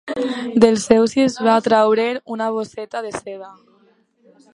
Del seu si es va treure una bosseta de seda.